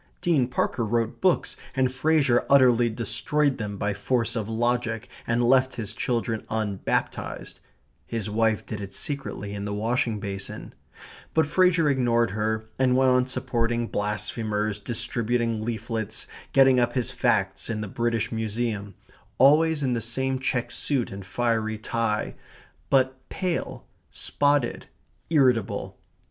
Dean Parker wrote books and Fraser utterly destroyed them by force of logic and left his children unbaptized his wife did it secretly in the washing basin but Fraser ignored her, and went on supporting blasphemers, distributing leaflets, getting up his facts in the British Museum, always in the same check suit and fiery tie, but pale, spotted, irritable.